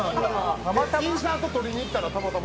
「インサート撮りに行ったらたまたま」